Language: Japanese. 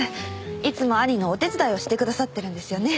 いつも兄のお手伝いをしてくださってるんですよね？